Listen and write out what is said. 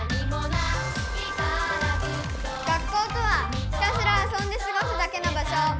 学校とはひたすらあそんですごすだけの場しょ。